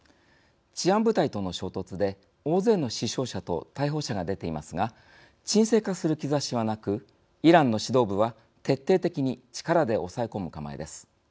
治安部隊との衝突で大勢の死傷者と逮捕者が出ていますが沈静化する兆しはなくイランの指導部は徹底的に力で抑え込む構えです。